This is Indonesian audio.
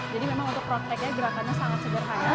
jadi memang untuk projeknya gerakan sangat sederhana